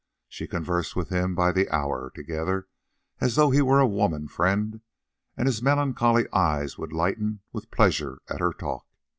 She conversed with him by the hour together as though he were a woman friend, and his melancholy eyes would lighten with pleasure at her talk.